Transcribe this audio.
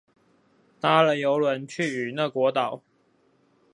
搭了郵輪去與那國島